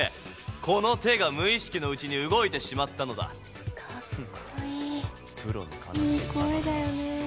この手が無意識のうちに動いてしまったのだカッコいいいい声だよね